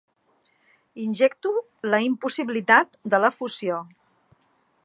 Injecto la impossibilitat de la fusió.